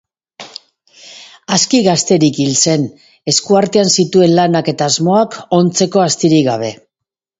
Aski gazterik hil zen, esku artean zituen lanak eta asmoak ontzeko astirik gabe.